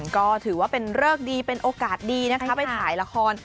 ก็ถือว่าเป็นเริกดีเป็นโอกาสดีนะคะไปถ่ายละคร